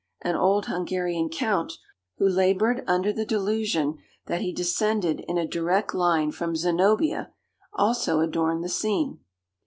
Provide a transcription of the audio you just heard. An old Hungarian count, who laboured under the delusion that he descended in a direct line from Zenobia, also adorned the scene.